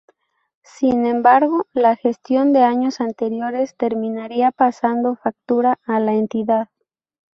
Sin embargo, la gestión de años anteriores terminaría pasando factura a la entidad.